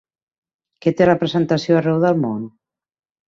Què té representació arreu del món?